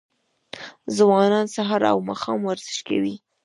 ځوانان سهار او ماښام ورزش کوي.